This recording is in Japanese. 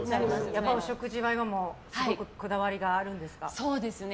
やっぱりお食事もすごくこだわりがあるんですか。